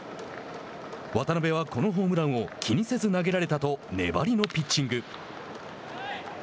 渡邉はこのホームランを「気にせず投げられた」と粘りのピッチング。